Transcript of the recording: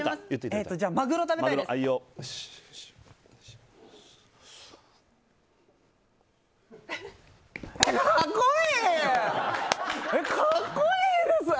じゃあ、マグロ食べたいです。